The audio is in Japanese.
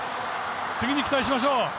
次に期待しましょう。